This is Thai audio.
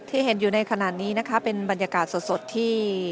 เห็นอยู่ในขณะนี้นะคะเป็นบรรยากาศสดที่